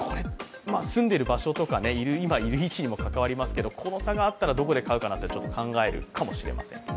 住んでいる場所とか今いる位置にもよりますけどこの差があったどこで買うかなとちょっと考えるかもしれません。